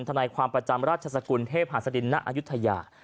ทนายความประจำราชสกุลเทพหัสดินณอายุทยา